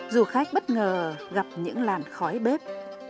du khách bất ngờ gặp những làn khói bếp